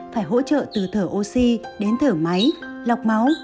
phải hỗ trợ từ thở oxy đến thở máy lọc máu